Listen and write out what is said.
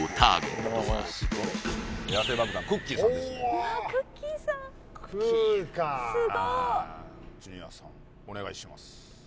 おおくーかジュニアさんお願いします